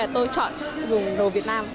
tôi chọn dùng đồ việt nam